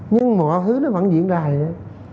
nhưng mọi thứ nó vẫn diễn ra vậy đó